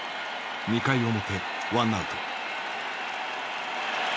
２回表ワンアウト。